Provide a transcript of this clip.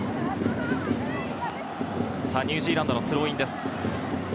ニュージーランドのスローインです。